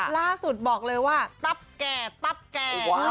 ล่าสุดบอกเลยว่าตับแก่ตับแก่